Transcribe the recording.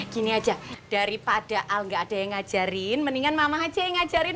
gini aja daripada al gak ada yang ngajarin mendingan mama aja yang ngajarin